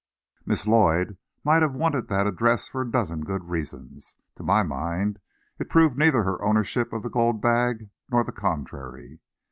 Miss Lloyd might have wanted that address for a dozen good reasons. To my mind, it proved neither her ownership of the gold bag, nor the contrary.